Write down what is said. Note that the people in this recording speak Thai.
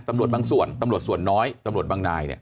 บางส่วนตำรวจส่วนน้อยตำรวจบางนายเนี่ย